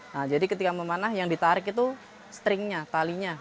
nah jadi ketika memanah yang ditarik itu stringnya talinya